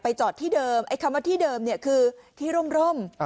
จอดที่เดิมไอ้คำว่าที่เดิมเนี่ยคือที่ร่ม